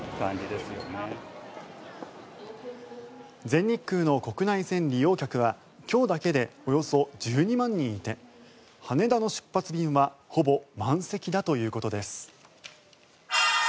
全日空の国内線利用客は今日だけでおよそ１２万人いて羽田の出発便はほぼ満席だということです。